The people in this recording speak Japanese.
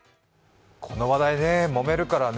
この話題、もめるからね。